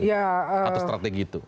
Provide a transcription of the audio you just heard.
atau strategi itu